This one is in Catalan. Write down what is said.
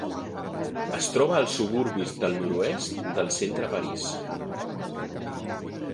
Es troba als suburbis del nord-oest del centre París.